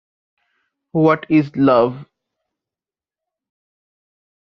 What is love?